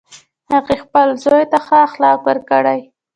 هغې خپل زوی ته ښه اخلاق ورکړی